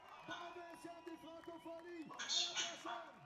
瑞声科技控股有限公司是一家在香港交易所上市的工业公司。